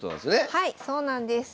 はいそうなんです。